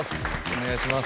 お願いします。